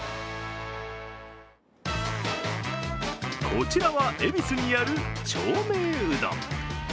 こちらは恵比寿にある長命うどん。